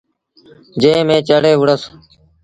جݩهݩ ميݩ چڙهي وُهڙوس۔